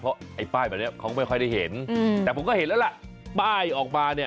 เพราะป้ายแบบนี้เขาก็ไม่ได้เห็นแต่ผมก็เห็นแล้วป้ายออกมา